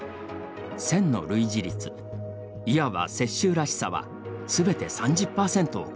線の類似率、いわば雪舟らしさはすべて３０％を超えました。